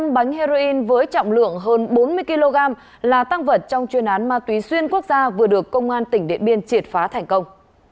một mươi bánh heroin với trọng lượng hơn bốn mươi kg là tăng vật trong chuyên án ma túy xuyên quốc gia vừa được công an tỉnh điện biên triệt phá thành công